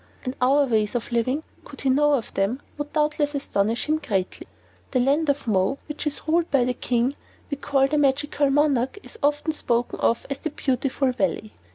And our ways of living, could he know of them, would doubtless astonish him greatly. The land of Mo, which is ruled by the King we call the Magical Monarch, is often spoken of as the "Beautiful Valley."